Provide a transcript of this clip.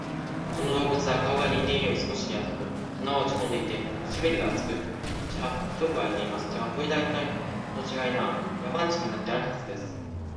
この動物は顔が人間より少し平たく、鼻は落ち込んでいて、唇が厚く、口は広く割れています。だが、これくらいの違いなら、野蛮人にだってあるはず